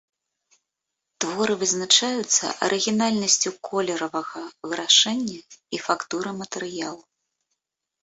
Творы вызначаюцца арыгінальнасцю колеравага вырашэння і фактуры матэрыялу.